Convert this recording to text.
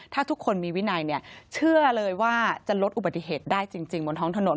ถ้าทุกคนมีวินัยเนี่ยเชื่อเลยว่าจะลดอุบัติเหตุได้จริงบนท้องถนน